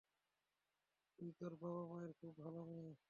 তুই তোর বাবা-মায়ের খুব ভাল মেয়ে।